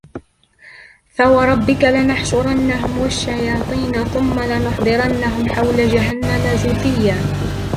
فوربك لنحشرنهم والشياطين ثم لنحضرنهم حول جهنم جثيا